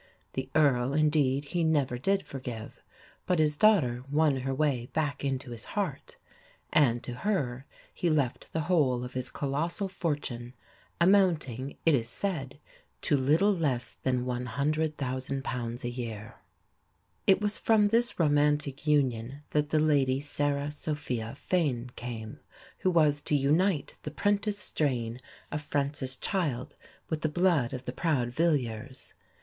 The Earl, indeed, he never did forgive, but his daughter won her way back into his heart, and to her he left the whole of his colossal fortune, amounting, it is said, to little less than £100,000 a year. It was from this romantic union that the Lady Sarah Sophia Fane came, who was to unite the 'prentice strain of Francis Child with the blood of the proud Villiers.